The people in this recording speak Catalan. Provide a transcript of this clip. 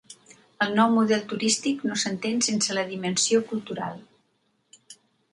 El nou model turístic no s’entén sense la dimensió cultural.